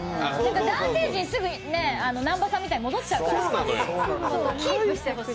男性陣、すぐ南波さんみたいに戻っちゃうから、キープしてほしい。